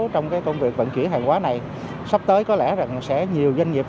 trong công việc vận chuyển hàng hóa này sắp tới có lẽ rằng sẽ nhiều doanh nghiệp